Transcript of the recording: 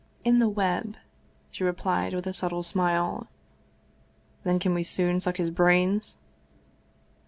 " In the web/' she replied, with a subtle smile. " Then we can soon suck his brains